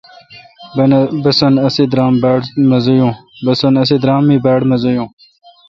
بسن اسی درام می باڑ مزہ یو۔